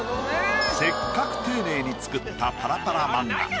せっかく丁寧に作ったパラパラ漫画。